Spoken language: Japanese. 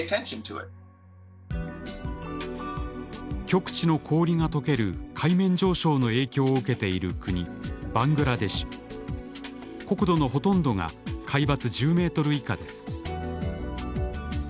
極地の氷がとける海面上昇の影響を受けている国国土のほとんどが海抜１０ｍ以下です。